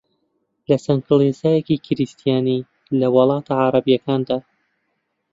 لە چەند کڵێسایەکی کریستیانی لە وڵاتە عەرەبییەکاندا